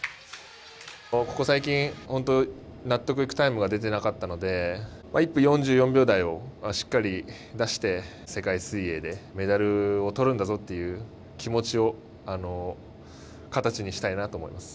ここ最近本当納得いくタイムが出てなかったので１分４４秒台をしっかり出して世界水泳でメダルを取るんだぞという気持ちを形にしたいなと思います。